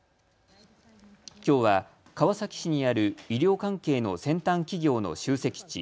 きょうは川崎市にある医療関係の先端企業の集積地